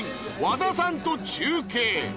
和田さんと中継